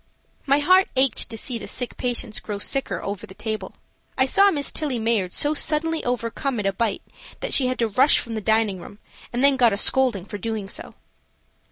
My heart ached to see the sick patients grow sicker over the table. I saw Miss Tillie Mayard so suddenly overcome at a bite that she had to rush from the dining room and then got a scolding for doing so.